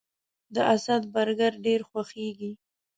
د اسد برګر ډیر خوښیږي